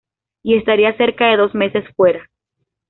Y estaría cerca de dos meses fuera.